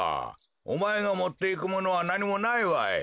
おまえがもっていくものはなにもないわい。